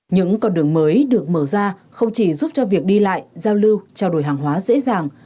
những con đường mới được mở ra không chỉ giúp cho việc đi lại giao lưu trao đổi hàng hóa dễ dàng